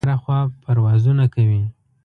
هره خوا پروازونه کوي.